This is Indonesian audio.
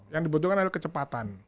yang dibutuhkan adalah kecepatan